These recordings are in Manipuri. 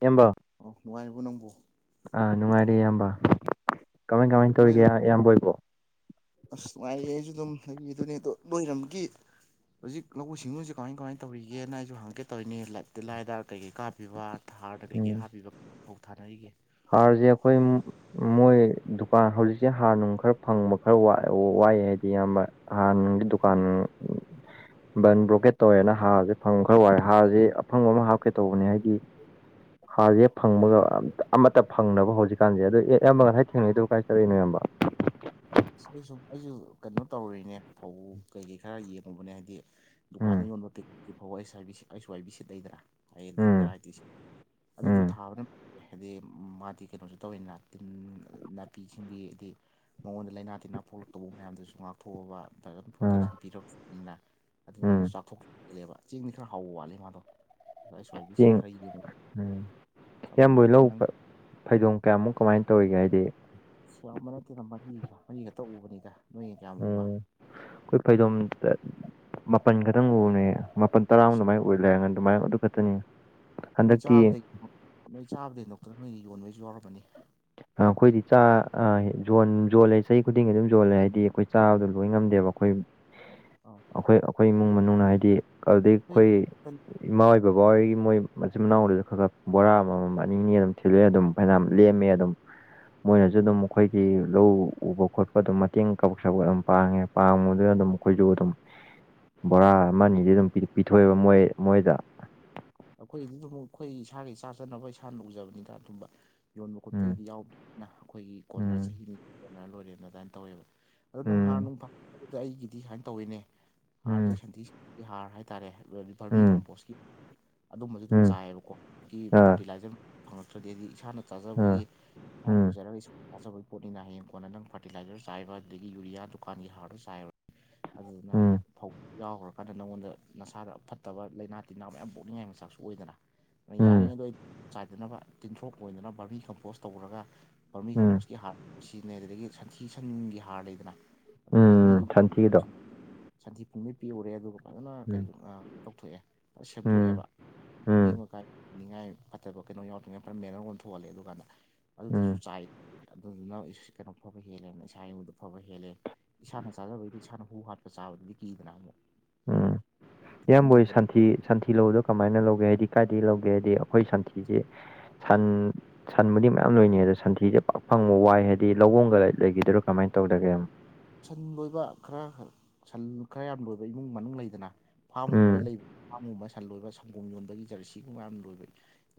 ꯏꯌꯝꯕ ꯑꯣ ꯅꯨꯡꯉꯥꯏꯔꯤꯕꯣ ꯅꯪꯕꯣ ꯑꯥ ꯅꯨꯡꯉꯥꯏꯔꯦ ꯏꯌꯥꯝꯕ ꯀꯃꯥꯏ ꯀꯃꯥꯏ ꯇꯧꯔꯤꯒꯦ ꯅꯣꯏꯔꯝ ꯏꯌꯥꯝꯕꯣꯏꯕꯣ ꯑꯁ ꯅꯨꯡꯉꯥꯏꯌꯦ ꯑꯩꯁꯨ ꯑꯗꯨꯝ ꯍꯒꯤꯗꯨꯅꯦ ꯑꯗꯣ ꯂꯣꯏꯔꯝꯒ ꯍꯧꯖꯤꯛ ꯂꯧꯎ ꯁꯤꯡꯎꯁꯦ ꯀꯃꯥꯏ ꯀꯃꯥꯏꯅ ꯇꯧꯔꯤꯒꯦꯅ ꯑꯩꯁꯨ ꯍꯪꯒꯀꯦ ꯇꯧꯔꯤꯅꯦ ꯂ ꯂꯥꯏꯗ ꯀꯩꯀꯩ ꯀꯥꯞꯄꯤꯕ ꯊ ꯍꯥꯥꯔꯗ ꯀꯩꯀꯩ ꯎꯝ ꯍꯥꯞꯄꯤꯕ ꯄꯥꯎ ꯊꯥꯅ ꯑꯩꯒꯦ ꯍꯥꯔꯁꯦ ꯑꯩꯈꯣꯏ ꯃꯣꯏ ꯗꯨꯀꯥꯟ ꯍꯧꯖꯤꯛꯁꯦ ꯍꯥꯔ ꯅꯨꯡ ꯈꯔ ꯐꯪꯕ ꯈꯔ ꯋꯥꯏꯑꯦ ꯍꯥꯏꯗꯤ ꯏꯌꯥꯝꯕ ꯍꯥꯥ ꯅꯪꯒꯤ ꯗꯨꯀꯥꯟ ꯕꯟ ꯕ꯭ꯂꯣꯀꯦꯠ ꯇꯧꯋꯦꯅ ꯍꯥꯔꯁꯦ ꯐꯪꯕ ꯈꯔ ꯋꯥꯔꯦ ꯍꯥꯔꯁꯦ ꯑꯐꯪꯕ ꯑꯃ ꯍꯥꯞꯀꯦ ꯇꯧꯕꯅꯦ ꯍꯥꯏꯗꯤ ꯍꯥꯔꯁꯦ ꯐꯪꯕꯒ ꯑ ꯑꯃꯠꯇ ꯐꯪꯅꯕ ꯍꯧꯖꯤꯛꯀꯥꯟꯁꯦ ꯑꯗꯣ ꯑꯦ ꯑꯌꯥꯝꯕ ꯉꯁꯥꯏ ꯊꯦꯡꯅꯩꯗ ꯀꯥꯏ ꯆꯠꯂꯛꯏꯅꯣ ꯑꯌꯥꯝꯕ ꯁꯤꯗ ꯁꯨꯝ ꯑꯩꯁꯨ ꯀꯩꯅꯣ ꯇꯧꯔꯔꯤꯅꯦ ꯐꯧ ꯀꯩꯀꯩ ꯈꯔ ꯌꯦꯡꯉꯨꯕꯅꯦ ꯍꯥꯏꯗꯤ ꯗꯨꯀꯥꯟꯗ ꯎꯝ ꯌꯣꯟꯕ ꯇ ꯐꯥꯎ ꯕꯤꯁ ꯋꯥꯏ ꯕꯤ ꯁꯤ ꯂꯩꯗ꯭ꯔꯥ ꯍꯌꯦꯡꯗꯤ ꯎꯝ ꯚꯦꯔꯥꯏꯇꯤꯁꯦ ꯑꯗꯨꯗꯣ ꯎꯝ ꯊꯥꯕꯅ ꯍꯥꯏꯗꯤ ꯃꯥꯗꯤ ꯀꯩꯅꯣꯁꯨ ꯇꯧꯋꯤꯅ ꯇꯤꯟ ꯅꯥꯄꯤꯁꯤꯡꯒꯤ ꯍꯥꯏꯗꯤ ꯃꯉꯣꯟꯗ ꯂꯥꯏꯅꯥ ꯇꯤꯟꯅꯥ ꯄꯣꯛꯂꯛꯇꯧꯕ ꯃꯌꯥꯝꯗꯨꯁꯨ ꯉꯥꯛꯊꯣꯛꯑꯕ ꯗꯝ ꯎꯝ ꯄ꯭ꯔꯣꯇꯦꯛꯁꯟ ꯄꯤꯔꯛꯅꯤꯅ ꯎꯝ ꯑꯗꯨꯗꯨꯅ ꯊꯣꯛꯛꯂꯦꯕ ꯆꯦꯡꯗꯤ ꯈꯔ ꯍꯥꯎꯕ ꯋꯥꯠꯂꯦ ꯃꯥꯗꯣ ꯈ꯭ꯋꯥꯏꯕꯤ ꯆꯦꯡ ꯁꯤꯠꯈꯩꯒꯤꯅꯦ ꯎꯝ ꯀꯃꯅ ꯑꯗꯣ ꯅꯪ ꯐꯩꯗꯣꯡ ꯀꯌꯥꯃꯨꯛ ꯀꯃꯥꯏꯅ ꯇꯧꯔꯤꯒꯦ ꯍꯥꯏꯗꯤ ꯑ ꯌꯥꯝꯕ ꯅꯠꯇꯦꯅ ꯃꯔꯤ ꯃꯔꯤ ꯈꯛꯇ ꯎꯕꯅꯤꯒ ꯅꯣꯏꯅ ꯀꯌꯥꯝ ꯎꯕ ꯀꯣꯏ ꯐꯥꯏꯗꯣ ꯑꯃ ꯇ ꯃꯥꯄꯜ ꯈꯛꯇꯪ ꯎꯕꯅꯦ ꯃꯥꯄꯜ ꯇꯔꯥꯃꯨ ꯑꯗꯨꯃꯥꯏꯅ ꯑꯣꯏ ꯂꯩꯔꯒ ꯑꯗꯨꯃꯥꯏꯅ ꯑꯗꯨ ꯈꯛꯇꯅꯤ ꯃꯩ ꯍꯟꯗꯛꯇꯤ ꯆꯥꯕꯗꯒꯤꯩ ꯃꯩ ꯆꯥꯕꯗꯩ ꯅꯣꯛꯇꯔ ꯅꯣꯏꯅ ꯌꯣꯟꯕꯩꯁꯨ ꯌꯥꯎꯔꯕꯅꯤ ꯑ ꯑꯩꯈꯣꯏꯗꯤ ꯆꯥ ꯌꯣꯂꯦ ꯆꯍꯤ ꯈꯨꯗꯤꯡꯒꯤ ꯑꯗꯨꯝ ꯌꯣꯜꯂꯦ ꯍꯥꯏꯗꯤ ꯑꯩꯈꯣꯏ ꯆꯥꯕꯗꯣ ꯂꯣꯏ ꯉꯝꯗꯦꯕ ꯑꯩꯈꯣꯏ [inaudible] ꯑꯩꯈꯣꯏ ꯑꯩꯈꯣꯏ ꯏꯃꯨꯡ ꯃꯅꯨꯡꯅ ꯍꯥꯏꯗꯤ ꯑꯗꯨꯩ ꯅꯣꯏ ꯑꯩꯈꯣꯏ ꯏꯃꯥ ꯍꯣꯏ ꯕꯕꯥ ꯍꯣꯏꯒꯤ ꯃꯣꯏ ꯃꯆꯤꯟ ꯃꯅꯥꯎꯁꯨ ꯈꯔ ꯈꯔ ꯕꯣꯔꯥ ꯑꯃꯃꯝ ꯑꯅꯤ ꯑꯅꯤ ꯑꯗꯨꯝ ꯊꯤꯜꯂꯛꯑꯦ ꯑꯗꯨꯝ ꯐꯅ ꯂꯦꯝꯃꯦ ꯑꯗꯨꯝ ꯃꯣꯏꯅꯁꯨ ꯎꯝ ꯑꯗꯨꯝ ꯑꯩꯣꯏꯒꯤ ꯂꯧ ꯎꯕ ꯈꯣꯠꯄ ꯑꯗꯨꯝ ꯃꯇꯦꯡ ꯀꯕꯛ ꯁꯒꯠ ꯑꯗꯨꯝ ꯄꯥꯡꯉꯦ ꯄꯥꯕꯗꯨꯅ ꯑꯗꯨꯝ ꯑꯩꯈꯣꯏꯁꯨ ꯑꯗꯨꯝ ꯕꯣꯔꯥ ꯑꯃꯅꯤ ꯑꯅꯤꯗꯤ ꯑꯗꯨꯝ ꯄꯤꯊꯣꯛꯑꯦꯕ ꯃꯣꯏ ꯃꯣꯏꯗ ꯑꯩꯈꯣꯏ ꯑꯗꯨꯗ ꯑꯩꯈꯣꯏ ꯏꯁꯥꯒꯤ ꯆꯥ ꯆꯅꯕ ꯏꯁꯥꯅ ꯎꯖꯕꯅꯤꯗ ꯑꯗꯨꯝꯕ ꯌꯣꯟꯕ ꯎꯝ ꯈꯣꯠꯄꯒꯤꯗꯤ ꯌꯥꯎꯕꯅ ꯑꯩꯈꯣꯏꯒꯤ ꯀꯣꯟꯅꯔ ꯎꯝ ꯆꯍꯤꯅꯤ ꯀꯣꯟꯅꯔ ꯂꯣꯏꯔꯦꯅ ꯑꯗꯨꯃꯥꯏꯅ ꯇꯧꯋꯦꯕ ꯑꯗꯨꯗ ꯅꯪ ꯍꯥꯔ ꯎꯝ ꯅꯨꯡꯐꯇ ꯑꯩꯒꯤꯗꯤ ꯁꯨꯃꯥꯏꯅ ꯇꯧꯋꯤꯅꯦ ꯎꯝ ꯍꯥꯔꯁꯦ ꯁꯟꯗꯤ ꯍꯥꯔ ꯍꯥꯏꯇꯥꯔꯦ ꯚꯔꯃꯤ ꯎꯝ ꯀꯝꯄꯣꯁ ꯑꯗꯨꯝꯕꯁꯨ ꯑꯗꯨꯝ ꯎꯝ ꯆꯥꯏꯌꯦꯕꯀꯣ ꯁꯤ ꯑꯥ ꯐꯔꯇꯤꯂꯥꯏꯖꯔ ꯐꯪꯉꯛꯇ꯭ꯔꯗꯤ ꯍꯥꯏꯗꯤ ꯏꯁꯥꯅ ꯆꯥꯖꯕꯣꯏꯒꯤ ꯑꯥ ꯐꯥꯟꯅ ꯎꯝ ꯎꯖꯔꯒ ꯁꯀꯨꯜ ꯆꯥꯖꯕꯒꯤ ꯄꯣꯠꯅꯤꯅ ꯍꯌꯦꯡ ꯀꯣꯟꯅ ꯅꯪ ꯐꯔꯇꯤꯂꯥꯏꯖꯔ ꯆꯥꯏꯕ ꯑꯗꯒꯤ ꯌꯨꯔꯤꯌꯥ ꯗꯨꯀꯥꯟꯒꯤ ꯍꯥꯔꯗꯨꯣ ꯆꯥꯏꯔꯦ ꯑꯗꯨꯅ ꯎꯝ ꯐꯧ ꯌꯥꯎꯈ꯭ꯔꯀꯥꯟꯗ ꯅꯪꯉꯣꯟꯗ ꯅꯁꯥꯗ ꯐꯠꯇꯕ ꯂꯥꯏꯅꯥ ꯇꯤꯟꯅꯥ ꯃꯌꯥꯝ ꯄꯣꯛꯅꯤꯡꯉꯥꯏꯒꯤ ꯃꯆꯥꯛꯁꯨ ꯑꯣꯏꯗꯅ ꯎꯝ ꯌꯥꯔꯤꯉꯩꯗ ꯑꯩ ꯆꯥꯏꯗꯅꯕ ꯇꯤꯟꯊ꯭ꯔꯣꯛ ꯑꯣꯏꯅꯗꯅꯕ ꯕꯔꯃꯤ ꯀꯝꯄꯣꯁ ꯇꯧꯔꯒ ꯕꯔꯃꯤ ꯎꯝ ꯀꯝꯄꯣꯁꯀꯤ ꯍꯥꯔ ꯁꯤꯖꯤꯟꯅꯩ ꯑꯗꯨꯗꯒꯤ ꯁꯟꯊꯤ ꯁꯟꯒꯤ ꯍꯥꯔ ꯂꯩꯗꯅ ꯑꯗꯣ ꯐꯖꯅ ꯎꯝ ꯌꯛ ꯁꯟꯊꯤꯗꯣ ꯁꯟꯊꯤ ꯐꯨꯡꯗꯤ ꯄꯤꯎꯔꯦ ꯑꯗꯨꯒ ꯐꯖꯅ ꯎꯝ ꯀꯔꯤꯣ ꯂꯧꯊꯣꯛꯑꯦ ꯎꯝ ꯁꯦꯝꯗꯣꯛꯑꯦꯕ ꯃꯍꯤꯛ ꯎꯝ ꯃꯇꯥꯏꯅꯤꯡꯉꯥꯏ ꯐꯠꯇꯕ ꯀꯩꯅꯣ ꯌꯥꯎꯗ꯭ꯔꯤꯉꯩ ꯐꯔ ꯃꯦꯟꯅꯔꯣꯝ ꯊꯣꯛꯍꯜꯂꯦ ꯑꯗꯨ ꯀꯥꯟꯗ ꯑꯗꯨꯗꯨꯁꯨ ꯎꯝ ꯆꯥꯏ ꯑꯗꯨꯗꯨꯅ ꯀꯩꯅꯣ ꯐꯕ ꯍꯦꯜꯂꯦ ꯏꯁꯥ ꯏꯉꯨꯡꯗ ꯐꯕ ꯍꯦꯜꯂꯦ ꯏꯁꯥꯅ ꯆꯥꯖꯕꯩꯗꯤ ꯏꯁꯥꯅ ꯍꯨ ꯍꯥꯠꯄ ꯆꯥꯕꯗꯨꯗꯤ ꯀꯤꯗꯅ ꯑꯃꯨꯛ ꯎꯝ ꯑꯗꯨꯃꯥꯏꯅ ꯏꯌꯥꯝꯕꯣꯏ ꯇꯧꯕꯗ ꯁꯟꯊꯤ ꯁꯟꯊꯤ ꯂꯧꯗ ꯀꯃꯥꯏꯅ ꯂꯧꯒꯦ ꯍꯥꯏꯗꯤ ꯀꯥꯏꯗꯒꯤ ꯂꯧꯒꯦ ꯍꯥꯏꯗꯤ ꯑꯩꯈꯣꯏ ꯁꯟꯊꯤꯁꯦ ꯁꯟ ꯁꯟꯕꯨꯗꯤ ꯃꯌꯥꯝ ꯂꯣꯏꯅꯤ ꯑꯗꯣ ꯁꯟꯊꯤꯁꯦ ꯄꯥꯛ ꯐꯪꯕ ꯋꯥꯏ ꯍꯥꯏꯗꯤ ꯂꯧꯕꯣꯡꯒ ꯂꯩꯈꯤꯗꯣꯏꯔꯥ ꯀꯃꯥꯏꯅ ꯇꯧꯗꯒꯦꯅꯣ ꯁꯟ ꯂꯣꯏꯕ ꯈꯔ ꯁꯟ ꯈꯔ ꯌꯥꯝ ꯂꯣꯏꯕ ꯏꯃꯨꯡ ꯃꯅꯨꯡ ꯂꯩꯗꯅ ꯐꯥꯔꯝꯒꯨꯝꯕꯗ ꯎꯝ ꯂꯩꯕ ꯐꯥꯔꯝꯒꯨꯝꯕ ꯁꯟ ꯂꯣꯏꯕ ꯁꯪꯒꯣꯝ ꯌꯣꯟꯗꯒꯤ ꯖꯔꯁꯤꯒꯨꯝꯕ ꯌꯥꯝ ꯂꯣꯏꯕ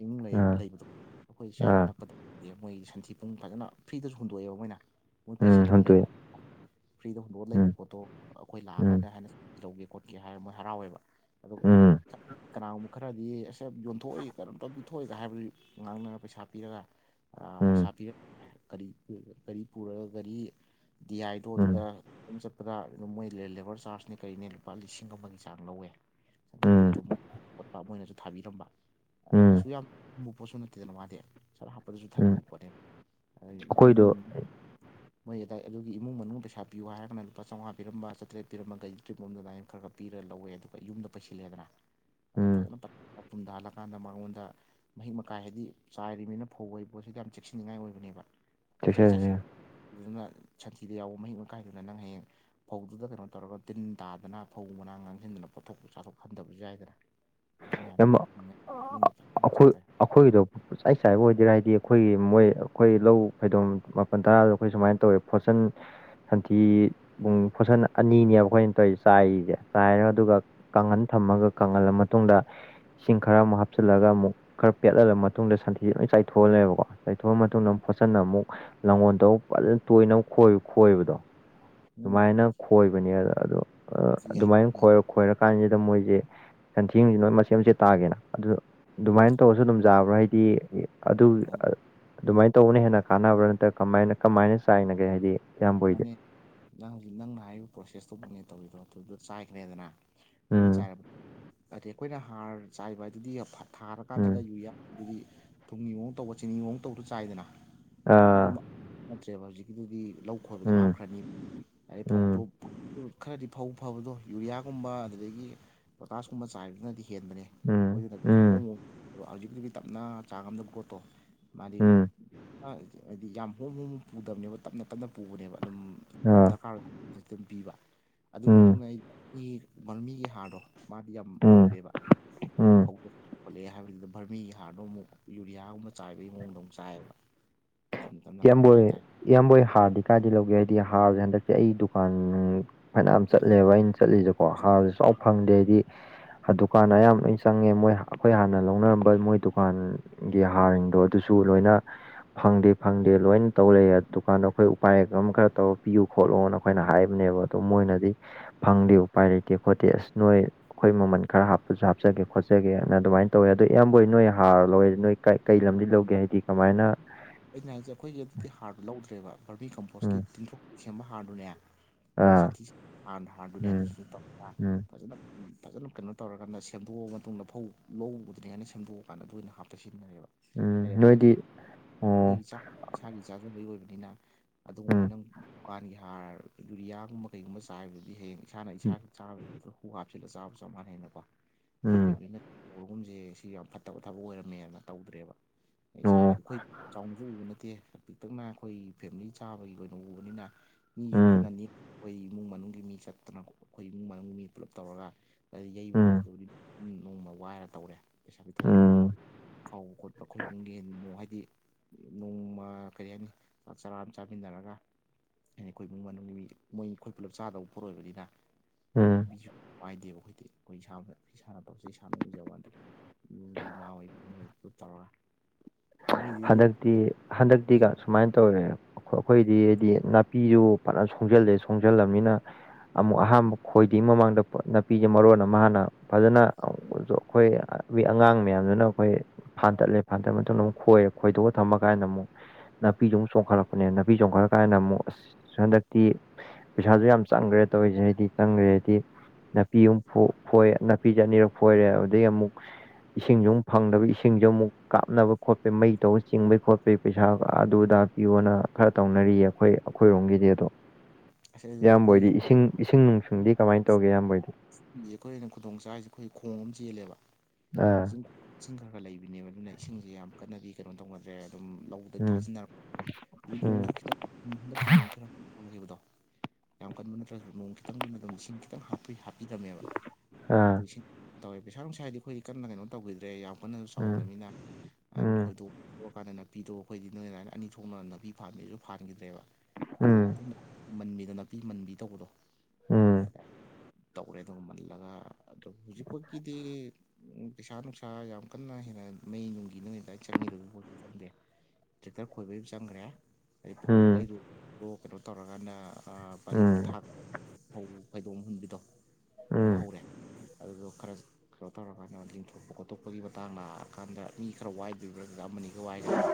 ꯏꯡ ꯑꯥ ꯂꯩꯕꯗꯣ ꯑꯩꯈꯣꯏ ꯁꯥꯏꯠ ꯑꯥ ꯑꯅꯛꯄꯗ ꯃꯣꯏ ꯁꯟꯊꯤ ꯄꯨꯡ ꯐꯖꯅ ꯐ꯭ꯔꯤꯗꯁꯨ ꯍꯨꯟꯗꯣꯛꯑꯦꯕ ꯃꯣꯏꯅ ꯃꯣꯏ ꯎꯝ ꯄꯩꯁꯟ ꯃꯝ ꯂꯩꯩ ꯍꯨꯟꯇꯣꯛꯑꯦ ꯐ꯭ꯔꯤꯗ ꯍꯨꯟꯗꯣꯛꯑꯒ ꯂꯩꯕ ꯎꯝ ꯄꯣꯠꯇꯣ ꯑꯩꯈꯣꯏ ꯎꯝ ꯂꯥꯛꯑꯀꯥꯟꯗ ꯍꯥꯏꯅ ꯂꯧꯒꯦ ꯈꯣꯠꯀꯦ ꯍꯥꯏꯔ ꯃꯣꯏ ꯍꯔꯥꯎꯋꯦꯕ ꯑꯗꯨꯒ ꯎꯝ ꯀꯅꯥꯒꯨꯝꯕ ꯈꯔꯗꯤ ꯑꯁꯦ ꯌꯣꯟꯊꯣꯛꯏ ꯀꯔꯝꯇ ꯄꯤꯊꯣꯛꯏꯒ ꯍꯥꯏꯕꯗꯨ ꯉꯥꯡꯅꯅ ꯄꯩꯁꯥ ꯄꯤꯔꯒ ꯄꯩꯁꯥ ꯎꯝ ꯄꯤꯔꯛꯦꯔꯤ ꯒꯥꯔꯤ ꯄꯨꯔꯒ ꯒꯥꯔꯤ ꯗꯤ ꯑꯥꯏꯗꯣꯗꯨꯗ ꯎꯝ ꯑꯗꯨꯝ ꯆꯠꯄꯗ ꯑꯗꯨꯝ ꯃꯣꯏ ꯂꯦꯕꯔ ꯆꯥꯔꯖꯅꯦ ꯀꯔꯤꯅꯦ ꯂꯨꯄꯥ ꯂꯤꯁꯤꯡ ꯑꯃꯒꯤ ꯆꯥꯡ ꯂꯧꯋꯦ ꯁꯟꯗ꯭ꯔꯔꯤ ꯎꯝ ꯇꯤꯞꯇꯣꯠ ꯈꯣꯠꯄ ꯃꯣꯏꯅꯁꯨ ꯊꯥꯕꯤꯔꯝꯕ ꯑꯗꯣ ꯎꯝ ꯀꯩꯁꯨ ꯌꯥꯝ ꯑꯃꯨꯛ ꯄꯣꯠꯁꯨ ꯅ ꯇꯗꯅ ꯋꯥꯗꯦ ꯁꯔ ꯍꯥꯞꯄꯗꯁꯨ ꯎꯝ ꯊꯟꯕ ꯈꯣꯠꯅꯦ ꯑꯅꯤ ꯑꯩꯈꯣꯏꯗꯣ ꯃꯣꯏ ꯑꯗꯥꯏ ꯑꯗꯨꯒꯤ ꯏꯃꯨꯡ ꯃꯅꯨꯡ ꯄꯩꯁꯥ ꯄꯤꯌ ꯍꯥꯏꯔꯒ ꯂꯨꯄꯥ ꯆꯥꯝꯉꯥ ꯄꯤꯔꯝꯕ ꯆꯇꯦꯠ ꯄꯔꯝꯕꯒꯒꯤꯨꯝꯝ ꯑꯗꯨꯃꯥꯏꯅ ꯈꯔ ꯄꯤꯔ ꯂꯧꯋ ꯑꯗꯨꯒ ꯌꯨꯝꯗ ꯄꯩꯁꯤꯜꯂꯦꯗꯅ ꯑꯣ ꯎꯝ ꯐꯖꯅ ꯄꯨꯝꯊꯍꯜꯂꯀꯥꯟꯗ ꯃꯉꯣꯟꯗ ꯃꯍꯤꯛ ꯃꯇꯀꯥꯏ ꯍꯥꯏꯗꯤ ꯆꯥꯏꯔꯤꯕꯅꯤꯅ ꯐꯧ ꯑꯣꯏ ꯄꯣꯠꯁꯤ ꯌꯥꯝ ꯆꯦꯛꯁꯤꯟꯅꯤꯡꯉꯥꯏ ꯑꯣꯏꯕꯅꯦꯕ ꯄꯪꯆꯥꯏ ꯆꯥꯏꯁꯤꯟ ꯑꯗꯨꯅ ꯁꯟꯊꯤꯗ ꯌꯥꯎꯕ ꯃꯍꯤꯛ ꯃꯈꯥꯏꯗꯨꯅ ꯅꯪ ꯍꯌꯦꯡ ꯐꯧꯗꯨꯗ ꯀꯩꯅꯣ ꯇꯧꯔꯒ ꯇꯤꯟ ꯇꯥꯗꯅ ꯐꯧ ꯃꯅꯥ ꯉꯥꯡꯁꯤꯟꯗꯅ ꯄꯣꯊꯣꯛꯄ ꯆꯥꯊꯣꯛ ꯍꯟꯗꯕꯁꯨ ꯌꯥꯏꯗꯅ ꯑꯗꯨ ꯃꯌꯥꯝꯅ ꯌꯥꯝ ꯂꯩ ꯈꯣꯏꯗꯣ ꯄꯆꯥꯏ ꯆꯥꯏꯕ ꯑꯣꯏꯗꯣꯏꯔꯥ ꯍꯥꯏꯗꯤ ꯑꯩꯈꯣꯏꯒꯤ ꯃꯣꯏ ꯑꯩꯈꯣꯏ ꯂꯧ ꯈꯩꯗꯣꯝ ꯃꯥꯄꯜ ꯇꯔꯥꯗ ꯑꯩꯈꯣꯏ ꯁꯨꯃꯥꯏꯅ ꯇꯧꯋꯦ ꯐꯣꯠꯆꯟ ꯁꯟꯊꯤ ꯄꯨꯡ ꯐꯣꯠꯁꯟ ꯑꯅꯤꯅꯦꯕ ꯑꯩꯈꯣꯏꯅ ꯇꯧꯔꯤ ꯆꯥꯏꯁꯦ ꯆꯥꯏꯔ ꯑꯗꯨꯒ ꯀꯥꯡꯈꯟ ꯊꯝꯃꯒ ꯀꯪꯍꯜꯂ ꯃꯇꯨꯡꯗ ꯏꯁꯤꯡ ꯈꯔ ꯑꯃꯨꯛ ꯍꯥꯞꯆꯤꯜꯂꯒ ꯑꯃꯨꯛ ꯈꯔ ꯄꯦꯠꯍꯜꯂ ꯃꯇꯨꯡꯗ ꯁꯟꯊꯤꯁꯦ ꯂꯣꯏ ꯆꯥꯏꯊꯣꯛꯍꯜꯂꯦꯕꯀꯣ ꯆꯥꯏꯊꯣꯛꯑ ꯃꯇꯨꯡꯗ ꯑꯃꯨ ꯐꯣꯠꯆꯟꯅ ꯑꯃꯨꯛ ꯂꯥꯡꯒꯣꯜꯗꯕꯨꯛ ꯐꯖ ꯇꯣꯏꯅꯣꯏ ꯈꯣꯏꯕꯗꯣ ꯎꯝ ꯑꯗꯨꯃꯥꯏꯅ ꯈꯣꯏꯕꯅꯦ ꯑ ꯑꯗꯣ ꯁꯤ ꯌꯥꯏ ꯑꯗꯨꯃꯥꯏꯅ ꯌꯥꯏ ꯈꯣꯏꯔꯀꯥꯟꯁꯤꯗ ꯃꯣꯏꯁꯦ ꯁꯟꯊꯦꯡꯁꯤ ꯅꯣꯏ ꯃꯆꯦꯠ ꯃꯆꯦꯠ ꯇꯥꯒꯦꯅ ꯑꯗꯨ ꯑꯗꯨꯃꯥꯏꯅ ꯇꯧꯔꯁꯨ ꯑꯗꯨꯝ ꯌꯥꯥꯕ꯭ꯔꯥ ꯍꯥꯏꯗꯤ ꯑꯗꯨ ꯑꯗꯨꯃꯥꯏꯅ ꯇꯧꯕꯅ ꯍꯦꯟꯅ ꯀꯥꯟꯅꯕ꯭ꯔꯥ ꯅꯠꯇ꯭ꯔꯒ ꯀꯃꯥꯏꯅ ꯀꯃꯥꯏꯅ ꯆꯥꯏꯅꯒꯦ ꯍꯥꯏꯗꯤ ꯏꯌꯥꯝꯕ ꯑꯣꯏꯗꯦ ꯅꯪ ꯍꯧꯖꯤꯛ ꯅꯪꯅ ꯍꯥꯏꯔꯤꯕ ꯄ꯭ꯔꯣꯁꯦꯁꯇꯨꯃꯛꯅꯦ ꯇꯧꯔꯤꯗꯣ ꯑꯗꯨꯗꯣ ꯆꯥꯏꯈ꯭ꯔꯦꯗꯅ ꯑꯗꯨ ꯎꯝ ꯆꯥꯏꯔꯕ ꯑꯗꯤ ꯑꯩꯈꯣꯏꯅ ꯍꯥꯔ ꯆꯥꯏꯕ ꯍꯥꯏꯗꯨꯗꯤ ꯊꯥꯔꯀꯥꯟꯗꯒ ꯎꯝ ꯌꯨꯏ ꯑꯗꯨꯗꯤ ꯊꯨꯝꯒꯤ ꯃꯛ ꯇꯧꯕ ꯆꯤꯅꯤ ꯃꯑꯣ ꯇꯧꯗ ꯆꯥꯏꯗꯅ ꯑꯥ ꯑꯗꯨꯝ ꯅꯠꯇ꯭ꯔꯦꯕ ꯍꯧꯖꯤꯛꯀꯤꯗꯨꯗꯤ ꯂꯧ ꯈꯣꯏꯕꯗ ꯎꯝ ꯍꯥꯞꯈ꯭ꯔꯅꯤ ꯍꯥꯏ ꯐꯧꯗꯣ ꯎꯝ ꯈꯔꯗꯤ ꯐꯧ ꯐꯕꯗꯣ ꯌꯨꯔꯤꯌꯥꯒꯨꯝꯕ ꯑꯗꯨꯗꯒꯤ ꯄꯣꯇꯥꯁꯀꯨꯝꯕ ꯆꯥꯏꯕꯗꯨꯅꯗꯤ ꯍꯦꯟꯕꯅꯦ ꯎꯝ ꯎꯝ ꯍꯧꯖꯤꯛꯇꯤꯒꯤ ꯇꯞꯅ ꯆꯥꯡ ꯑꯃꯗ ꯒ꯭ꯔꯣꯠꯇꯣ ꯃꯥꯗꯤ ꯎꯝ ꯍꯥꯏꯗꯤ ꯌꯥꯝ ꯍꯣꯡ ꯍꯣꯡ ꯄꯨꯗꯕꯅꯦꯕ ꯇꯞꯅ ꯇꯞꯅ ꯄꯨꯕꯅꯦꯕ ꯑꯗꯨꯝ ꯑꯥ ꯍꯥꯔ ꯑꯗꯨꯝ ꯄꯤꯕ ꯑꯗꯨꯒꯤ ꯎꯝ ꯃꯇꯨꯡꯗ ꯑꯩ ꯃꯤꯒꯤ ꯃꯔꯨꯃꯤꯒꯤ ꯍꯥꯔꯗꯣ ꯃꯥꯗꯤ ꯌꯥꯝ ꯎꯝ ꯐꯕꯅꯦꯕ ꯎꯝ ꯍꯧꯗꯣꯛ ꯈꯣꯠꯂꯛꯑꯦ ꯍꯥꯏꯕꯗꯨꯗ ꯚꯔꯃꯤꯒꯤ ꯍꯥꯔꯗꯣ ꯑꯃꯨꯛ ꯌꯨꯔꯤꯌꯥꯒꯨꯝꯕ ꯆꯥꯏꯕꯒꯤ ꯃꯑꯣꯡꯗꯣꯨꯛ ꯆꯥꯏꯑꯕ [inaudible] ꯏꯌꯥꯝꯕꯣꯏ ꯏꯌꯥꯝꯕꯣꯏ ꯍꯥꯔꯗꯤ ꯀꯥꯏꯗꯤ ꯂꯧꯒꯦ ꯍꯥꯏꯗꯤ ꯍꯥꯔꯁꯦ ꯍꯟꯗꯛꯁꯦ ꯑꯩ ꯗꯨꯀꯥꯟ ꯐꯅꯝ ꯑꯩꯈꯣꯏ ꯆꯠꯂꯦꯕ ꯑꯩꯅ ꯆꯠꯂꯤꯁꯦꯀꯣ ꯍꯥꯔꯁꯨ ꯆꯥꯎ ꯐꯪꯗꯦ ꯍꯥꯏꯗꯤ ꯗꯨꯀꯥꯟ ꯑꯌꯥꯝ ꯂꯣꯏ ꯆꯪꯉꯦ ꯃꯣꯏ ꯑꯩꯈꯣꯏ ꯍꯥꯟꯅ ꯂꯧꯅꯔꯝꯕ ꯃꯣꯏ ꯗꯨꯀꯥꯟ ꯒꯤ ꯍꯥꯔꯁꯤꯡꯗꯣ ꯑꯗꯨꯁꯨ ꯂꯣꯏꯅ ꯐꯪꯗꯦ ꯐꯪꯗꯦ ꯂꯣꯏꯅ ꯇꯧ ꯂꯩ ꯗꯨꯀꯥꯟꯗꯣ ꯑꯩꯈꯣꯏ ꯎꯄꯥꯏ ꯑꯃ ꯈꯔ ꯇꯧꯔ ꯄꯤꯌꯨ ꯈꯣꯠꯂꯨꯅ ꯑꯩꯈꯣꯏꯅ ꯍꯥꯏꯕꯅꯦꯕ ꯑꯣ ꯃꯣꯏꯅꯗꯤ ꯐꯪꯗꯦ ꯎꯄꯥꯏ ꯂꯩꯇꯦ ꯈꯣꯠꯇꯦ ꯑꯁ ꯅꯣꯏ ꯑꯩꯈꯣꯏ ꯃꯃꯜ ꯈꯔ ꯍꯥꯞꯄꯁꯨ ꯍꯥꯞꯆꯒꯦ ꯈꯣꯠꯆꯒꯦꯅ ꯑꯗꯨꯃꯥꯏꯅ ꯇꯧꯋꯦ ꯑꯣ ꯏꯌꯥꯝꯕ ꯅꯣꯏ ꯍꯥꯔ ꯂꯣꯏꯔ ꯅꯣꯏ ꯀꯩ ꯂꯝꯗꯤ ꯂꯧꯒꯦ ꯍꯥꯏꯗꯤ ꯀꯃꯥꯏꯅ ꯑꯩꯅ ꯍꯥꯏꯁꯦ ꯑꯩꯈꯣꯏꯒꯤ ꯑꯗꯨꯗꯤ ꯍꯥꯔꯗꯨꯣ ꯂꯧꯗ꯭ꯔꯦꯕ ꯕꯔꯃꯤ ꯀꯝꯄꯣꯁꯀꯤ ꯎꯝ ꯇꯤꯡꯊꯣꯛ ꯁꯦꯝꯕ ꯍꯥꯔꯗꯨꯅꯦ ꯑꯗꯩ ꯑꯥ ꯁꯊꯤꯔ ꯎꯝ ꯍꯥꯔ ꯎꯝ ꯐꯖꯅ ꯐꯖꯅ ꯀꯩꯅꯣ ꯇꯧꯔꯒꯗ ꯁꯦꯝꯗꯣꯛꯑꯕ ꯃꯇꯨꯡꯗ ꯐꯧ ꯂꯧ ꯎꯗ꯭ꯔꯤ ꯍꯥꯏꯅ ꯁꯦꯝꯗꯣꯛꯑꯀꯥꯟꯗ ꯑꯗꯨ ꯑꯣꯏꯅ ꯍꯥꯞꯇ ꯁꯤꯖꯤꯟꯅꯔꯦꯕ ꯎꯝ ꯍꯥꯏꯗꯤ ꯑꯩꯈꯣꯏ ꯅꯣꯏꯗꯤ ꯑꯣ ꯑꯩꯈꯣꯏꯒꯤ ꯆꯥꯛ ꯏꯁꯥꯒꯤ ꯆꯥꯛꯖꯕꯩ ꯑꯣꯏꯕꯅꯤꯅ ꯑꯗꯨꯒꯨꯝꯕ ꯎꯝ ꯅꯪ ꯊꯗꯨꯀꯥꯟꯒꯤ ꯍꯥꯔ ꯌꯨꯔꯤꯌꯥꯒꯨꯝꯕ ꯀꯩꯒꯨꯝꯕ ꯆꯥꯏꯕꯗꯨꯗꯤ ꯍꯌꯦꯡ ꯏꯁꯥꯅ ꯏꯁꯥ ꯆꯥꯕ ꯑꯗꯣ ꯀꯨ ꯍꯥꯞꯆꯤꯜꯂꯒ ꯆꯥꯕ ꯆꯞ ꯃꯥꯟꯅ ꯍꯦꯅꯀꯣ ꯑꯩꯈꯣꯏ ꯎꯝ ꯐꯦꯃꯤꯂꯤꯅ ꯎꯒꯨꯝꯁꯦ ꯁꯤ ꯌꯥꯝ ꯐꯠꯇꯕ ꯊꯕꯛ ꯑꯣꯏꯔꯝꯃꯦꯅ ꯇꯧꯗ꯭ꯔꯦꯕ ꯑꯩ ꯑꯣ ꯏꯁꯥꯒꯤꯗꯤ ꯑꯩꯈꯣꯏ ꯆꯥꯎꯅꯁꯨ ꯅꯠꯇꯦ ꯄꯄꯤꯛꯇꯛꯅ ꯑꯩꯈꯣꯏꯒꯤ ꯐꯦꯃꯤꯂꯤ ꯆꯥꯕꯒꯤ ꯑꯣꯏꯅ ꯎꯕꯅꯤꯅ ꯃꯤꯁꯨ ꯎꯝ ꯀꯟꯅꯅꯤ ꯑꯩꯈꯣꯏ ꯏꯃꯨꯡ ꯃꯅꯨꯡꯒꯤ ꯃꯤ ꯆꯠꯇꯅ ꯑꯩꯈꯣꯏ ꯏꯃꯨꯡ ꯃꯅꯨꯡꯒꯤ ꯃꯤ ꯄꯨꯜꯂꯞ ꯇꯧꯔꯒ ꯌꯩꯕ ꯎꯝ ꯈꯣꯠꯄꯗꯕꯨ ꯎꯝ ꯅꯣꯡꯃ ꯋꯥꯏꯔ ꯇꯧꯔꯦ ꯄꯩꯁꯥ ꯄꯤꯊꯣꯛꯒ ꯎꯝ ꯈꯥꯎ ꯈꯣꯠꯄ ꯑꯩꯈꯣꯏ ꯑꯗꯨꯅꯨꯡ ꯌꯦꯟꯃꯨꯣ ꯍꯥꯏꯗꯤ ꯅꯣꯡꯃ ꯀꯔꯤꯅꯤ ꯆꯥꯛ ꯆꯔꯥ ꯑꯃ ꯆꯥꯃꯤꯟꯅꯔꯒ ꯍꯥꯏꯗꯤ ꯑꯩꯈꯣꯏ ꯏꯃꯨꯡ ꯃꯅꯨꯡꯒꯤ ꯃꯤ ꯃꯣꯏ ꯑꯩꯈꯣꯏ ꯄꯨꯂꯞ ꯆꯥꯗꯕ ꯄꯣꯠꯛꯣꯏꯕꯅꯤꯅ ꯎꯝ ꯄꯥꯏꯗꯦ ꯑꯩꯈꯣꯏꯗꯤ ꯑꯩꯈꯣꯏ ꯏꯁꯥꯃꯛ ꯏꯁꯥꯅ ꯇꯧꯁꯦ ꯏꯁꯥꯅ ꯎꯖꯕ ꯑꯗ ꯌꯨꯝꯒꯤ ꯏꯃꯥ ꯍꯣꯏꯕꯠ ꯇꯧꯔꯒ ꯅꯣꯏꯗꯤ ꯍꯟꯗꯛꯇꯤ ꯍꯟꯗꯛꯇꯤꯒ ꯁꯨꯃꯥꯏꯅ ꯇꯧꯔꯦ ꯑꯩꯈꯣꯏꯗꯤ ꯍꯥꯏꯗꯤ ꯅꯥꯄꯤꯁꯨ ꯐꯖ ꯁꯣꯡꯖꯜꯂꯦ ꯁꯣꯡꯖꯜꯂꯕꯅꯤꯅ ꯑꯃꯨꯛ ꯑꯍꯥꯟꯕ ꯈꯣꯏꯗꯉ ꯃꯃꯥꯡꯗ ꯅꯥꯄꯤꯁꯦ ꯃꯔꯨꯅ ꯃꯍꯥꯛꯅ ꯐꯖꯅ ꯑꯩꯈꯣꯏ ꯑꯩ ꯑꯉꯥꯡ ꯃꯌꯥꯝꯗꯨꯅ ꯑꯩꯈꯣꯏ ꯐꯥꯇꯠꯂꯦ ꯐꯥꯇꯠ ꯃꯇꯝꯗ ꯑꯃꯨꯛ ꯈꯣꯏꯔꯦ ꯈꯣꯏꯗꯣꯛꯑ ꯊꯝꯃ ꯀꯥꯟꯗ ꯑꯃꯨꯛ ꯅꯥꯄꯤꯗꯨ ꯑꯃꯛ ꯆꯣꯡꯈꯠꯂꯛꯄꯅꯦ ꯅꯥꯄꯤ ꯆꯣꯡꯈꯠꯂ ꯀꯥꯟꯗ ꯑꯃꯨꯛ ꯑꯁ ꯍꯟꯗꯛꯇꯤ ꯄꯩꯁꯥꯁꯨ ꯌꯥꯝ ꯆꯪꯈ꯭ꯔꯦ ꯇꯧꯔꯤꯁꯦ ꯍꯥꯏꯗꯤ ꯆꯪꯈ꯭ꯔꯦ ꯍꯥꯏꯗꯤ ꯅꯥꯄꯤ ꯑꯨ ꯅꯥꯄꯤ ꯆ ꯑꯅꯤꯔꯛ ꯐꯣꯏꯔꯦ ꯑꯗꯨꯗꯒꯤ ꯑꯃꯨꯛ ꯏꯁꯤꯡꯁꯨ ꯑꯃꯨꯛ ꯐꯪꯗꯕ ꯏꯁꯤꯡꯁꯨ ꯑꯃꯨꯛ ꯀꯥꯞꯅꯕ ꯈꯣꯠꯄꯩ ꯃꯩ ꯇꯧꯕ ꯆꯤꯡꯕꯩ ꯈꯣꯠꯄꯩ ꯄꯩꯁꯥ ꯑꯗꯨꯗ ꯄꯤꯌꯣꯅ ꯈꯔ ꯇꯧꯅꯔꯤꯌꯦ ꯑꯩꯈꯣꯏ ꯑꯩꯈꯣꯏꯔꯣꯝꯒꯤꯗꯤ ꯑꯗꯣ ꯑꯁ ꯑꯗꯨ ꯏꯌꯥꯝꯕꯣꯏꯗꯤ ꯑꯩꯈꯣꯏꯒꯤ ꯏꯁꯤꯡ ꯏꯁꯤꯡ ꯅꯨꯡꯁꯨꯡꯗꯤ ꯀꯃꯥꯏꯅ ꯇꯧꯒꯦ ꯏꯌꯥꯝꯕꯣꯏꯗꯤ ꯑꯩꯈꯣꯏꯅ ꯈꯨꯗꯣꯡ ꯆꯥꯔꯤꯁꯦ ꯑꯩꯈꯣꯏ ꯈꯣꯡ ꯑꯃ ꯆꯦꯜꯂꯦꯕ ꯑꯥ ꯏꯁꯤꯡ ꯈꯔ ꯈꯔ ꯂꯩꯕꯅꯦꯕ ꯑꯗꯨꯅ ꯏꯁꯤꯡꯁꯦ ꯌꯥꯝ ꯀꯟꯅꯗꯤ ꯀꯩꯅꯣ ꯇꯧꯅꯗ꯭ꯔꯦ ꯑꯗꯨꯝ ꯑ ꯎꯝ ꯊꯥꯖꯤꯟꯅꯔꯛꯄ ꯎꯝ ꯅꯣꯡꯁꯨ ꯈꯤꯇꯪ ꯍꯟꯗꯛꯀꯤ ꯅꯣꯡ ꯈꯔ ꯐꯪꯈꯤꯕꯗꯣ ꯌꯥꯝ ꯀꯟꯕ ꯅꯠꯇ꯭ꯔꯁꯨ ꯅꯣꯡ ꯈꯤꯇꯪꯅ ꯑꯗꯨꯝ ꯏꯁꯤꯡ ꯈꯤꯇꯪ ꯍꯥꯄꯤ ꯍꯥꯞꯄꯤꯔꯕꯃꯦ ꯑꯥ ꯇꯧꯋꯦ ꯄꯩꯁꯥ ꯅꯨꯡꯁꯥ ꯍꯥꯏꯗꯤ ꯑꯩꯈꯗꯤ ꯀꯟꯅ ꯀꯩꯅꯣ ꯇꯧꯈꯤꯗ꯭ꯔꯦ ꯌꯥꯝ ꯀꯅꯁꯨ ꯎꯝ ꯆꯥꯎꯗꯕꯅꯤꯅ ꯑꯗꯨꯝ ꯎꯝ ꯈꯣꯏꯗꯣꯛ ꯀꯥꯟꯗ ꯅꯥꯄꯤꯗꯣ ꯑꯩꯈꯣꯏꯗꯤ ꯅꯣꯏ ꯑꯗꯨꯃꯥꯏꯅ ꯑꯅꯤ ꯊꯣꯛꯅ ꯅꯥꯄꯤ ꯐꯥꯟꯥꯟꯕꯕꯩꯁꯨ ꯐꯥꯟꯈꯤꯗ꯭ꯔꯦꯕ ꯈꯣꯏꯗꯣꯛ ꯎꯝ ꯃꯟꯕꯤꯗꯣ ꯅꯥꯄꯤ ꯃꯟꯕꯤ ꯇꯧꯕꯗꯣ ꯇꯧꯔꯦ ꯑꯗꯨꯒ ꯃꯜꯂꯒ ꯑꯗꯣ ꯍꯧꯖꯤꯄꯒꯤꯗꯤ ꯎꯝ ꯄꯩꯁꯥ ꯅꯨꯡꯁꯥ ꯌꯥꯝ ꯀꯟꯅ ꯍꯦꯟꯅ ꯃꯩ ꯅꯨꯡꯒꯤ ꯅꯨ ꯍ ꯆꯪꯈꯤꯗ ꯆꯪꯗꯦ ꯇ꯭ꯔꯦꯛꯇꯔ ꯈꯣꯏꯕꯒꯤ ꯆꯪꯈ꯭ꯔꯦ ꯍꯥꯏꯗꯩ ꯐꯧ ꯎꯝ ꯂꯩꯗꯨꯗ ꯀꯩꯅꯣ ꯇꯧꯔꯀꯥꯟꯗ ꯎꯝ ꯕꯥꯂꯤ ꯊꯥꯛ ꯐꯧ ꯐꯩꯗꯣꯛꯝ ꯍꯨꯟꯕꯤꯗꯣ ꯍꯨꯟꯕ ꯎꯝ ꯍꯧꯔꯦ ꯑꯗꯨꯗ ꯈꯔ ꯀꯩꯅꯣ ꯇꯧꯔꯀꯥꯟꯗ ꯂꯤꯡꯊꯣꯛꯄ ꯈꯣꯠꯇꯣꯛꯄꯒꯤ ꯃꯇꯥꯡ ꯂꯥꯛꯑꯀꯥꯟꯗ ꯃꯤ ꯈꯔ ꯋꯥꯏꯗꯣꯏꯕꯥ ꯑꯃꯅꯤ ꯋꯥꯏꯗꯅ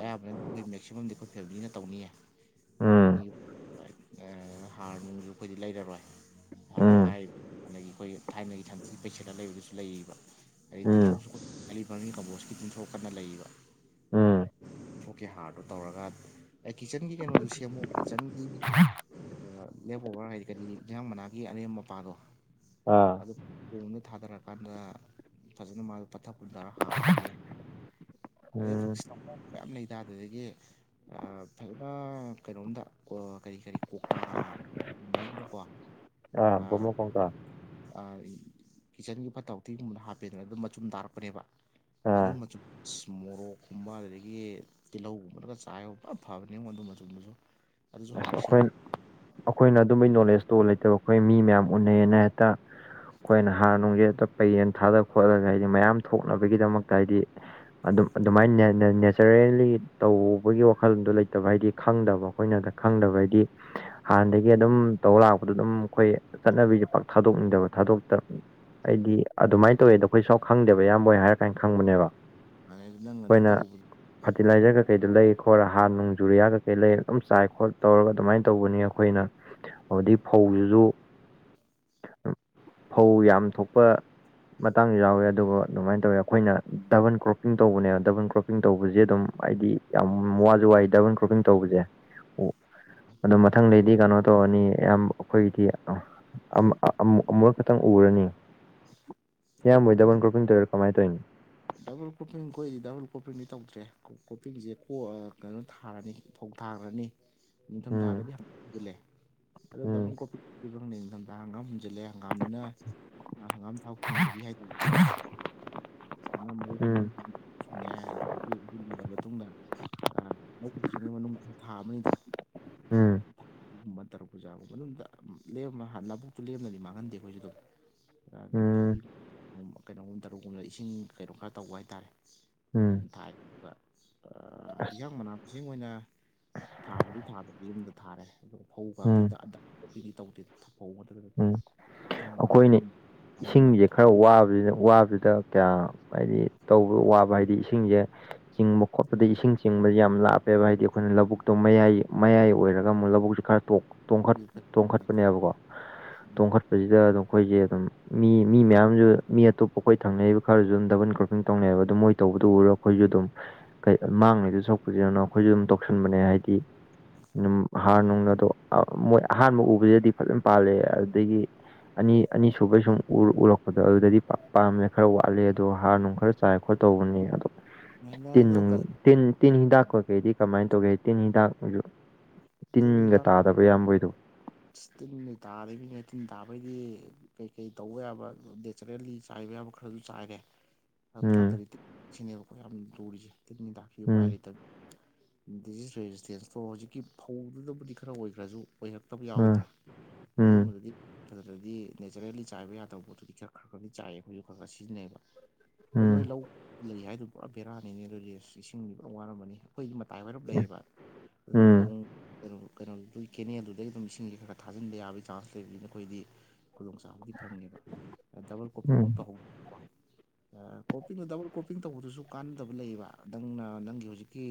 ꯑꯌꯥꯝꯕꯅ ꯃꯦꯛꯁꯤꯃꯝꯗꯤ ꯑꯩꯈꯣꯏ ꯐꯦꯃꯤꯂꯤꯅ ꯇꯧꯅꯤꯌꯦ ꯎꯝ ꯎꯝ ꯃꯤ ꯍꯥꯔ ꯅꯨꯡꯁꯨ ꯑꯩꯈꯣꯏꯗꯤ ꯂꯩꯔꯔꯣꯏ ꯍꯥꯏꯕ ꯎꯝ ꯍꯥꯏꯔꯤꯕ ꯑꯗꯒꯤ ꯑꯩꯈꯣꯏ ꯊꯥꯏꯅꯒꯤ ꯊꯟꯗꯣꯛꯒꯤ ꯄꯦꯁꯦꯠꯠꯇ ꯂꯩꯕꯗꯨꯁꯨ ꯂꯩꯌꯦꯕ ꯑꯗꯗꯒꯤ ꯎꯝ ꯇꯤꯊꯣꯛꯁꯨ ꯑꯦꯂꯤꯚꯔꯃꯤꯟ ꯀꯝꯄꯣꯁꯀꯤ ꯇꯤꯟꯊꯣꯛ ꯀꯟꯅ ꯂꯩꯔꯤꯕ ꯎꯝ ꯑꯣꯀꯦ ꯍꯥꯔꯗꯣ ꯇꯧꯔꯒ ꯑꯩ ꯀꯤꯠꯆꯟꯒꯤ ꯀꯩꯅꯣꯁꯨ ꯁꯦꯝꯃꯣ ꯀꯤꯠꯆꯟꯒꯤ ꯂꯦꯞ ꯑꯣꯣꯕꯔ ꯍꯥꯏꯗꯤ ꯀꯔꯤ ꯂꯩꯍꯥꯡ ꯃꯅꯥꯒꯤ ꯑꯅꯦꯝ ꯃꯄꯥꯗꯣ ꯑꯥ ꯑꯗꯨꯣꯝꯗ ꯊꯥꯗꯔꯀꯥꯟꯗ ꯐꯖꯅ ꯃꯥꯗꯣ ꯄꯠꯊꯛ ꯄꯨꯟꯊꯔ ꯍꯥꯔ ꯑꯣꯏꯍꯟꯗꯦ ꯎꯝ ꯑ ꯌꯥꯝ ꯂꯩꯇꯥ ꯑꯗꯨꯗꯒꯤ ꯐꯖꯅ ꯀꯩꯅꯣꯝꯗ ꯀꯔꯤ ꯀꯔꯤ ꯀꯧꯇꯥꯒꯨꯝꯕ ꯑꯝꯗꯀꯣ ꯑ ꯃꯨ ꯀꯣꯪꯀ ꯀꯤꯠꯆꯟꯒꯤ ꯐꯠꯇ ꯍꯥꯎꯊꯤꯒꯨꯝꯕꯅ ꯍꯥꯞꯄꯦꯗꯅ ꯑꯗꯨꯝ ꯃꯆꯨꯝ ꯇꯥꯔꯛꯄꯅꯦꯕ ꯑꯗꯨ ꯑꯥ ꯃꯆ ꯃꯣꯔꯣꯛꯀꯨꯝꯕ ꯑꯗꯨꯗꯒꯤ ꯇꯤꯜꯍꯧꯒꯨꯝꯕꯂꯒ ꯆꯥꯏꯕ ꯄꯨꯔ ꯐꯕꯅꯤ ꯑꯩꯉꯣꯟ ꯑꯗꯨ ꯃꯇꯨꯡꯗꯁꯨ ꯑꯗꯨꯁꯨ ꯍꯥꯔ ꯑꯩꯈꯣꯏ ꯁꯦꯝꯃꯅꯤ ꯑꯩꯈꯣꯏꯅ ꯑꯗꯨꯝꯕꯒꯤ ꯅꯣꯂꯦꯖꯇꯣ ꯂꯩꯇꯕ ꯑꯩꯈꯣꯏ ꯃꯤ ꯃꯌꯥꯝ ꯎꯅꯩꯌꯦꯅ ꯍꯦꯛꯇ ꯑꯩꯈꯣꯏꯅ ꯍꯥꯔ ꯅꯨꯡꯁꯦ ꯑꯣ ꯄꯩ ꯌꯦꯟ ꯊꯥꯗ ꯈꯣꯠꯂꯒ ꯍꯥꯏꯗꯤ ꯃꯌꯥꯝ ꯊꯣꯛꯅꯕꯒꯤꯗꯃꯛꯇ ꯍꯥꯏꯗꯤ ꯑꯗꯨꯝ ꯑꯗꯨꯃꯥꯏꯅ ꯅꯦꯆꯔꯦꯜꯂꯤ ꯇꯧꯕꯒꯤ ꯋꯥꯈꯜꯗꯣ ꯂꯩꯇꯕ ꯍꯥꯏꯗꯤ ꯈꯪꯗꯕ ꯑꯩꯈꯣꯏꯅꯗ ꯈꯪꯗꯕ ꯍꯥꯏꯗꯤ [inaudible] ꯍꯥꯟꯅꯗꯒꯤ ꯑꯗꯨꯝ ꯇꯧ ꯂꯥꯛꯄꯗ ꯑꯗꯨꯝ ꯑꯩꯈꯣꯏ ꯆꯠꯅꯕꯤꯁꯦ ꯄꯥꯛ ꯊꯥꯗꯣꯛꯅꯤꯡꯗꯕ ꯊꯥꯗꯣꯛꯇ ꯑꯩꯗꯤ ꯑꯗꯨꯃꯥꯏꯅ ꯇꯧꯋꯦꯗꯣ ꯑꯩꯈꯣꯏ ꯁꯥꯎ ꯈꯪꯗꯦꯕ ꯏꯌꯥꯝꯕꯣꯏ ꯍꯥꯏꯔ ꯀꯥꯏꯅ ꯈꯪꯕꯅꯦꯕ ꯑꯗꯨ ꯅꯪ ꯑꯗꯨ ꯑꯩꯈꯣꯏꯅ ꯇꯧꯔꯨꯕꯗ ꯅꯪ ꯐꯔꯇꯤꯂꯥꯏꯖꯔ ꯀꯩꯀꯩꯗꯣ ꯂꯩ ꯑꯩꯈꯣꯏꯔ ꯍꯥꯔ ꯅꯨꯡꯖꯔꯤꯌꯥ ꯀꯩꯀꯩ ꯂꯩꯔ ꯑꯗꯨꯝ ꯆꯥꯏ ꯈꯣꯠ ꯇꯧꯔꯒ ꯑꯗꯨꯃꯥꯏꯅ ꯇꯧꯕꯅꯤ ꯑꯩꯈꯣꯏ ꯑꯩꯈꯣꯏꯅ ꯍꯧꯗꯒꯤ ꯐꯧꯁꯤꯁꯨ ꯐꯧ ꯌꯥꯝ ꯊꯣꯛꯄ ꯃꯇꯥꯡꯁꯨ ꯌꯥꯎꯋꯦ ꯑꯗꯨꯒ ꯑꯗꯨꯃꯥꯏꯅ ꯇꯧꯋꯤ ꯑꯩꯈꯣꯏꯅ ꯗꯕꯟ ꯀ꯭ꯔꯣꯞꯄꯤꯡ ꯇꯧꯕꯅꯦ ꯗꯕꯜ ꯀ꯭ꯔꯣꯄꯤꯡ ꯀ꯭ꯔꯣꯄꯤꯡ ꯇꯧꯕꯁꯦ ꯑꯗꯨꯝ ꯍꯥꯏꯗꯤ ꯌꯥꯝ ꯋꯥꯁꯨ ꯋꯥꯏ ꯗꯕꯜ ꯀ꯭ꯔꯣꯞꯄꯤꯡ ꯇꯧꯕꯁꯦ ꯑꯣ ꯑꯗꯨꯣ ꯃꯊꯪꯗꯩꯗꯤ ꯀꯩꯅꯣ ꯇꯧꯔꯅꯤ ꯑꯌꯥꯝ ꯑꯩꯈꯣꯏꯗꯤ ꯑ ꯑꯃꯨꯛ ꯈꯛꯇꯪ ꯎꯔꯅꯤ [inaudible] ꯏꯌꯥꯝꯕꯣꯏ ꯄ꯭ꯔꯣꯐꯤꯠ ꯗꯕꯟ ꯀꯔꯄꯟ ꯇꯣꯏꯔ ꯀꯃꯥꯏ ꯇꯧꯅꯣ ꯗꯕꯜ ꯀ꯭ꯔꯣꯄꯤꯡ ꯑꯩꯈꯣꯏꯗꯤ ꯗꯕꯜ ꯀꯣꯄꯤꯡꯗꯤ ꯇꯧꯗ꯭ꯔꯦ ꯀꯣꯄꯤꯡꯁꯦ ꯀ ꯀꯩꯅꯣ ꯊꯥꯔꯅꯤ ꯐꯧ ꯊꯥꯈ꯭ꯔꯅꯤ ꯅꯤꯡꯊꯝ ꯎꯝ ꯊꯥꯔꯒꯗꯤ ꯑꯗꯨꯜꯂ ꯑꯗꯣ ꯗꯕꯜ ꯎꯝ ꯀꯣꯐꯤ ꯄꯤꯕꯪꯅ ꯃꯇꯝꯗ ꯍꯪꯒꯥꯝ ꯍꯨꯟꯖꯤꯜꯂꯦ ꯍꯪꯒꯥꯝꯅ ꯍꯪꯒꯥꯝ ꯊꯥꯎ ꯑ ꯑ ꯃꯔꯤꯗꯤ ꯎꯝ ꯉꯦ ꯑꯗꯨ ꯎꯠꯂꯔꯕ ꯃꯇꯨꯡꯗ ꯃꯨꯛ ꯎꯗ꯭ꯔꯤꯉꯩ ꯃꯅꯨꯡ ꯊꯥ ꯑꯃꯅꯤꯗꯣ ꯎꯝ ꯒꯨꯝꯕ ꯇꯔꯨꯛꯄꯨ ꯆꯥꯒꯨꯝꯕ ꯃꯅꯨꯡꯗ ꯅꯕꯨꯛꯇꯨ ꯂꯦꯝꯅꯗꯤ ꯃꯥꯡꯍꯟꯗꯦ ꯑꯩꯈꯣꯏꯁꯨ ꯑꯗꯨꯝ ꯎꯝ ꯊꯕꯤꯒ ꯀꯩꯅꯣꯒꯨꯝꯕ ꯇꯔꯨꯛꯒꯨꯝꯕꯗ ꯏꯁꯤꯡ ꯀꯩꯅꯣ ꯈꯔ ꯇꯧꯕ ꯍꯥꯏꯇꯥꯔꯦ ꯃꯣꯏꯗꯨ ꯎꯝ ꯊꯥꯏ ꯏꯍꯡ ꯃꯅꯥ ꯍꯤꯡ ꯑꯣꯏꯅ ꯊꯥꯕꯗꯤ ꯊꯥꯗ ꯌꯨꯝꯗ ꯊꯥꯔꯦ ꯑ ꯐꯧ ꯎꯝ ꯉꯥꯛꯇꯤꯗ ꯑ ꯑꯩꯈꯣꯏꯗꯤ ꯇꯧꯗꯦꯗ ꯐꯧꯗ ꯎꯝ ꯑꯩꯈꯣꯏꯅ ꯑꯃꯒꯨꯝꯕ ꯏꯁꯤꯡꯁꯦ ꯑꯗꯨꯝ ꯈꯔ ꯋꯥꯕꯁꯤꯅ ꯋꯥꯕꯁꯤꯗ ꯀꯌꯥ ꯍꯥꯏꯗꯤ ꯇꯧꯕ ꯋꯥꯕ ꯍꯥꯏꯗꯤ ꯏꯁꯤꯡꯁꯦ ꯆꯤꯡꯕ ꯈꯣꯠꯄꯗ ꯏꯁꯤꯡ ꯆꯤꯡꯕꯁ ꯌꯥꯝꯅ ꯂꯥꯞꯄꯦꯕ ꯍꯥꯏꯗꯤ ꯑꯩꯈꯣꯏꯅ ꯂꯧꯕꯨꯛꯇꯣ ꯃꯌꯥꯏ ꯃꯌꯥꯏ ꯑꯣꯏꯔꯒ ꯑꯃꯨꯛ ꯂꯧꯕꯨꯛꯁꯨ ꯈꯔ ꯇꯣꯡꯈꯠꯄꯅꯦꯕꯀꯣ [inaudible] ꯇꯣꯡꯈꯠꯄꯁꯤꯗ ꯑꯗꯨꯝ ꯑꯩꯈꯣꯏꯁꯦ ꯑꯗꯨꯝ ꯃꯤ ꯃꯤ ꯃꯌꯥꯝꯁꯨ ꯃꯤ ꯑꯇꯣꯞꯄ ꯑꯩꯈꯣꯏ ꯊꯪꯅꯔꯤꯕ ꯈꯔꯁꯨ ꯑꯗꯨꯝ ꯗꯕꯟ꯭ꯔ ꯑꯗꯨ ꯇꯧꯅꯩꯑꯕ ꯑꯗꯨ ꯃꯣꯏ ꯇꯧꯕꯗꯣ ꯎꯔꯣ ꯑꯩꯈꯣꯏꯁꯨ ꯑꯗꯨꯝ ꯀꯩ ꯃꯥꯡꯉꯤꯗ ꯁꯛꯄꯁꯤꯗꯅꯣ ꯑꯩꯈꯣꯏꯁꯨ ꯑꯗꯨꯝ ꯇꯧꯁꯟꯕꯅꯦ ꯍꯥꯏꯗꯤ ꯍꯥꯔꯅꯨꯡ ꯑꯗꯣ ꯃꯣꯏ ꯑꯍꯥꯟꯕ ꯎꯕꯁꯤꯗꯗꯤ ꯐꯖꯅ ꯄꯥꯜꯂꯦ ꯑꯗꯨꯗꯒꯤ ꯑꯅꯤ ꯑꯅꯤ ꯁꯕꯩ ꯁꯨꯝ ꯎꯔꯛꯄꯗꯣ ꯑꯗꯨꯗꯗꯤ ꯄꯥꯝꯃꯦꯦ ꯈꯔ ꯋꯥꯠꯂꯦ ꯑꯗꯣ ꯍꯥꯔ ꯅꯨꯡ ꯈꯔ ꯆꯥꯏꯈꯣꯏ ꯇꯧꯕꯅꯤ ꯑꯗꯣ [inaudible] ꯇꯤꯟ ꯅꯨꯡ ꯇꯤꯟ ꯇꯤꯟ ꯍꯤꯗꯥꯛ ꯀꯈꯩꯗꯤ ꯀꯃꯥꯏꯅ ꯇꯧꯒꯦ ꯇꯤꯟ ꯍꯤꯗꯥꯛꯁꯨ ꯇꯤꯟꯒ ꯇꯥꯗꯕ ꯏꯌꯥꯝꯕꯩꯗꯣ ꯁꯤꯇ ꯗꯔ ꯌꯥ ꯗꯕꯗꯤ ꯀꯩ ꯀꯩ ꯇꯧꯕ ꯌꯥꯕ ꯅꯦꯆꯔꯦꯜꯂꯤ ꯆꯥꯏꯕ ꯌꯥꯕ ꯈꯔꯁꯨ ꯆꯥꯏꯔꯦ ꯍ ꯎꯝ ꯊꯂꯛꯇꯗꯤ ꯇꯤꯠ ꯁꯤꯅꯦꯕꯀꯣ ꯌꯥꯝ ꯂꯨꯔꯤꯁꯦ ꯇꯤꯠꯅꯤꯗꯥꯛꯄꯤꯌꯨ ꯎꯝ ꯄꯥꯏꯔꯦ ꯗꯤꯖꯤꯖꯦꯁ ꯏꯁꯇꯦꯁꯇꯣ ꯍꯧꯖꯤꯛꯀꯤ ꯐꯧꯗꯨꯗꯕꯨꯗꯤ ꯈꯔ ꯑꯣꯏꯈꯒ꯭ꯔꯖꯨ ꯑꯣꯏꯔꯥꯛ ꯀꯛꯇꯕ ꯎꯝ ꯌꯥꯎꯋꯤꯗꯅ ꯎꯝ ꯑꯗꯨꯝꯕꯗꯨꯗꯤ ꯑꯗꯨꯗꯗꯤ ꯅꯦꯆꯔꯦꯜꯂꯤ ꯆꯥꯏꯕ ꯌꯥꯗꯕ ꯄꯣꯠꯇꯨꯗꯤ ꯈꯔ ꯈꯔ ꯈꯔꯗꯤ ꯆꯥꯏꯑ ꯑꯩꯈꯣꯏꯁꯨ ꯈꯔ ꯈꯔ ꯁꯤꯖꯤꯟꯅꯩꯕ ꯑꯗꯨ ꯅꯣꯏ ꯂꯧ ꯂꯩ ꯍꯥꯏꯗꯨ ꯄꯨꯔꯥ ꯕꯦꯔꯥꯅꯤꯅꯦ ꯑꯗꯨ ꯏꯁꯤꯡ ꯄꯨꯔꯥ ꯋꯥꯔꯝꯕꯅꯤ ꯑꯩꯈꯣꯏꯒꯤ ꯃꯇꯥꯏ ꯑꯣꯏꯔꯞ ꯂꯩꯌꯦ ꯎꯝ ꯑꯗꯨꯅ ꯎꯝ ꯈꯣꯡ ꯀꯩꯅꯣ ꯀꯩꯅꯣꯗꯨꯏ ꯀꯦꯅꯦꯜꯗꯨꯗꯩꯩ ꯑꯗꯨꯝ ꯏꯁꯤꯡꯖꯦ ꯈꯔ ꯈꯔ ꯊꯥꯖꯟꯕ ꯌꯥꯕꯒꯤ ꯆꯥꯟꯁ ꯂꯩꯕꯅꯤꯅ ꯑꯩꯈꯣꯏꯗꯤ ꯈꯨꯗꯣꯡ ꯆꯥꯕꯗꯤ ꯐꯪꯉꯦꯕ ꯗꯕꯜ ꯎꯝ ꯀꯣꯄꯤꯒ ꯇꯧꯍꯧꯕ ꯀꯣꯞꯄꯤꯡꯗꯣ ꯗꯕꯜ ꯀꯣꯞꯄꯤꯡ ꯇꯧꯕꯗꯨꯁꯨ ꯀꯥꯟꯅꯗꯕ ꯂꯩꯌꯦꯕ ꯅꯪꯅ ꯅꯪꯒꯤ ꯍꯧꯖꯤꯛꯀꯤ